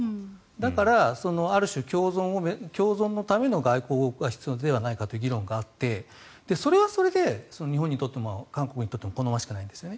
だから、ある種共存のための外交が必要ではないかという議論があってそれはそれで日本にとっても韓国にとっても好ましくないんですよね。